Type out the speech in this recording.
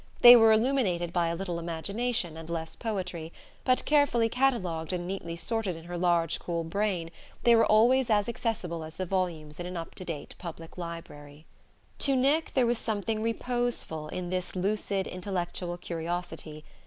They were illuminated by little imagination and less poetry; but, carefully catalogued and neatly sorted in her large cool brain, they were always as accessible as the volumes in an up to date public library. To Nick there was something reposeful in this lucid intellectual curiosity.